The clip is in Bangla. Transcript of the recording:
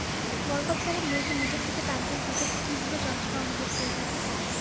বরকত সাহেব মেয়েকে নিজের দিকে টানতেই হঠাৎ তীব্র যন্ত্রণা অনুভব করলেন।